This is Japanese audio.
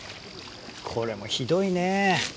これもひどいね。